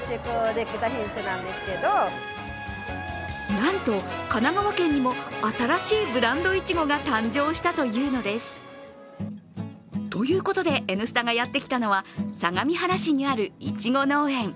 なんと、神奈川県にも新しいブランドいちごが誕生したというのです。ということで「Ｎスタ」がやってきたのは相模原市にあるいちご農園。